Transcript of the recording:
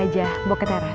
udah bun meenting indeed